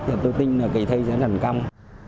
và tôi tin là kỳ thi sẽ thành công